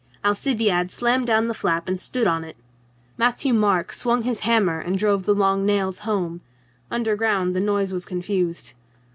Alcibiade slammed down the flap and stood on it. Matthieu Marc swung his hammer and drove the long nails home. Under ground the noise was confused.